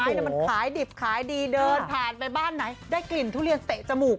มันขายดิบขายดีเดินผ่านไปบ้านไหนได้กลิ่นทุเรียนเตะจมูก